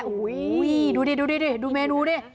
โอ้โหดูดิดูดิดูเมนูดิ